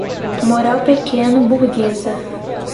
moral pequeno-burguesa